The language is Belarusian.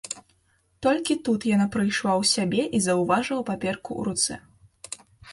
Толькі тут яна прыйшла ў сябе і заўважыла паперку ў руцэ.